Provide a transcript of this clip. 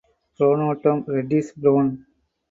Pronotum reddish brown.